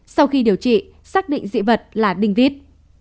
sau khi điều trị xác định dị vật là đinh vít